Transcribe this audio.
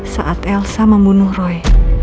saat elsa membunuh roy